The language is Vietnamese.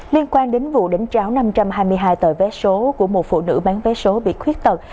liên quan đến vụ đánh tráo năm trăm hai mươi hai tờ vé số của một phụ nữ bán vé số bị khuyết tật